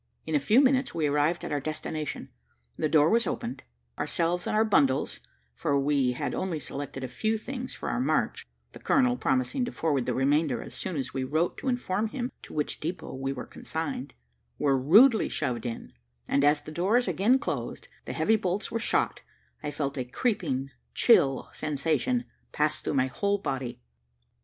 In a few minutes we arrived at our destination: the door was opened, ourselves and our bundles (for we had only selected a few things for our march, the colonel promising to forward the remainder as soon as we wrote to inform him to which depot we were consigned) were rudely shoved in; and as the doors again closed, and the heavy bolts were shot, I felt a creeping, chill, sensation pass through my whole body.